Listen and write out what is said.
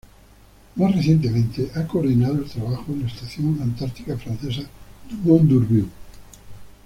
Más recientemente, ha coordinado el trabajo en la estación antártica francesa Dumont d'Urville.